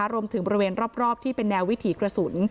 บริเวณรอบที่เป็นแนววิถีกระสุน